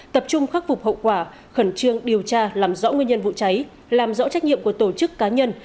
tập trung khắc phục hậu quả khẩn trương điều tra làm rõ nguyên nhân vụ cháy làm rõ trách nhiệm của tổ chức cá nhân